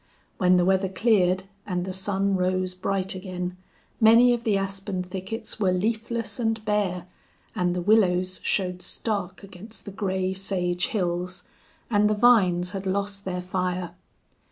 When the weather cleared and the sun rose bright again many of the aspen thickets were leafless and bare, and the willows showed stark against the gray sage hills, and the vines had lost their fire.